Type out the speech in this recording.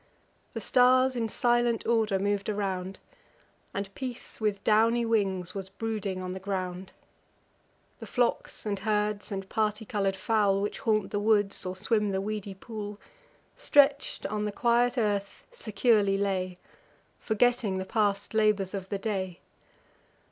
The stars in silent order mov'd around; And Peace, with downy wings, was brooding on the ground The flocks and herds, and party colour'd fowl, Which haunt the woods, or swim the weedy pool, Stretch'd on the quiet earth, securely lay, Forgetting the past labours of the day.